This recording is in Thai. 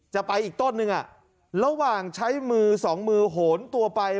จะไปอีกต้นนึงระหว่างใช้มือสองมือโหนตัวไป